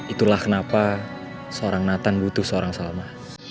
itulah kenapa seorang nathan butuh seorang salma